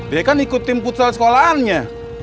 dia kan ikut tim futsal sekolahannya